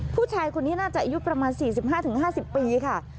ผู้ชายคนนี้น่าจะอายุประมาณ๔๕๕๐ปีค่ะ